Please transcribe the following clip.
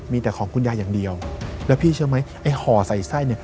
มีแต่ของคุณยายอย่างเดียวแล้วพี่เชื่อไหมไอ้ห่อใส่ไส้เนี่ย